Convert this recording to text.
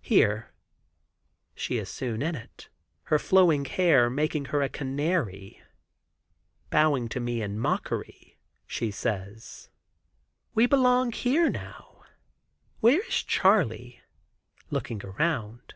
"Here." She is soon in it, her flowing hair making her a canary. Bowing to me in mockery, she says: "We belong here now. Where is Charley," looking around.